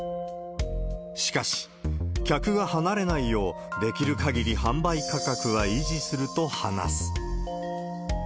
しかし、客が離れないよう、できる限り販売価格は維持すると話す。